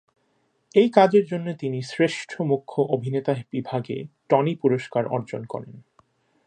এই কাজের জন্য তিনি শ্রেষ্ঠ মুখ্য অভিনেতা বিভাগে টনি পুরস্কার অর্জন করেন।